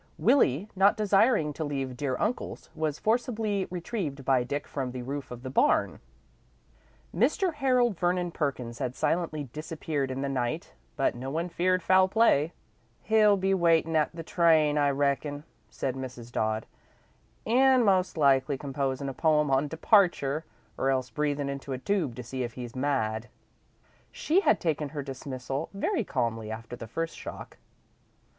Willie, not desiring to leave "dear uncle's," was forcibly retrieved by Dick from the roof of the barn. Mr. Harold Vernon Perkins had silently disappeared in the night, but no one feared foul play. "He'll be waitin' at the train, I reckon," said Mrs. Dodd, "an' most likely composin' a poem on 'Departure' or else breathin' into a tube to see if he's mad." She had taken her dismissal very calmly after the first shock.